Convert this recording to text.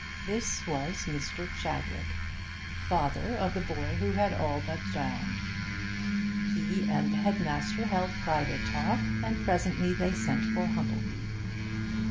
This was Mr. Chadwick, father of the boy who had all but been drowned. He and the headmaster held private talk, and presently they sent for Humplebee.